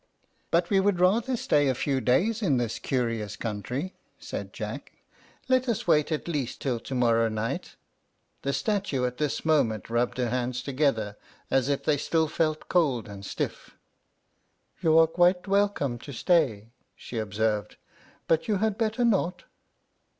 "But we would rather stay a few days in this curious country," said Jack; "let us wait at least till to morrow night." The statue at this moment rubbed her hands together, as if they still felt cold and stiff. "You are quite welcome to stay," she observed; "but you had better not."